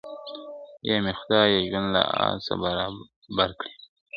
یا مي خدایه ژوند له آسه برابر کړې ..